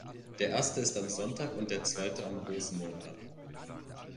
Der erste ist am Sonntag und der zweite am Rosenmontag.